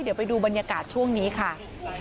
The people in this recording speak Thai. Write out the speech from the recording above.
เดี๋ยวไปดูบรรยากาศช่วงนี้ค่ะ